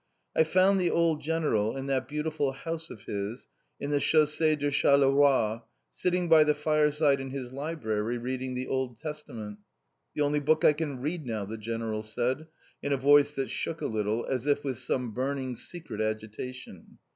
I found the old General in that beautiful house of his in the Chaussée de Charleroi, sitting by the fireside in his library reading the Old Testament. "The only book I can read now!" the General said, in a voice that shook a little, as if with some burning secret agitation.